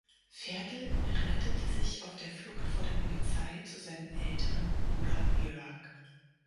Ferdl rettet sich auf der Flucht vor der Polizei zu seinem älteren Bruder Jörg.